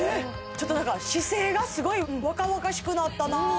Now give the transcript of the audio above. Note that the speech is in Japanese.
ちょっと姿勢がすごい若々しくなったな